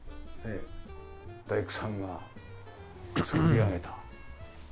大工さんが造り上げた。